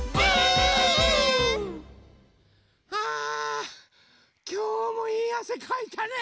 あきょうもいいあせかいたね。